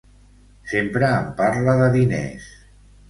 Sempre em parla de diners.